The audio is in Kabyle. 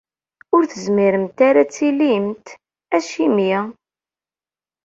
Ur tezmiremt ara ad tilimt? Acimi?